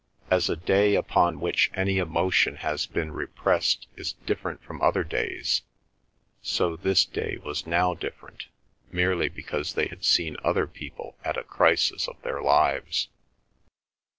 As a day upon which any emotion has been repressed is different from other days, so this day was now different, merely because they had seen other people at a crisis of their lives.